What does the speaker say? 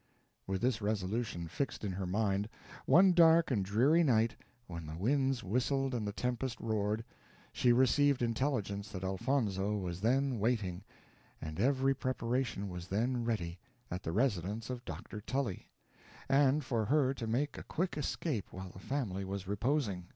With this resolution fixed in her mind, one dark and dreary night, when the winds whistled and the tempest roared, she received intelligence that Elfonzo was then waiting, and every preparation was then ready, at the residence of Dr. Tully, and for her to make a quick escape while the family was reposing.